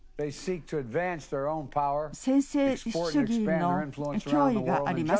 専制主義の脅威があります。